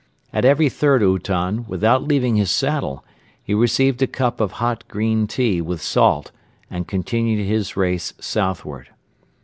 At every third ourton, without leaving his saddle, he received a cup of hot green tea with salt and continued his race southward.